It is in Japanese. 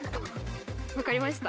分かりました。